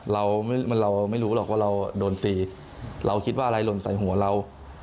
เราไม่รู้หรอกว่าเราโดนตีเราคิดว่าอะไรหล่นใส่หัวเรา